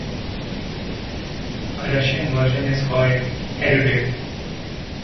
A Russian version is called "Erudit".